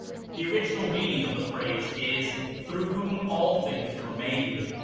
The original meaning of the phrase Is — "through whom all things were made."